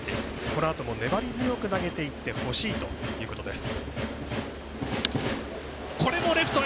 このあとも粘り強く投げていってほしいということです。